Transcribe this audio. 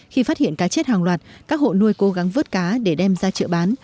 khi phát hiện cá chết hàng loạt các hộ nuôi cố gắng vớt cá để đem ra chợ bán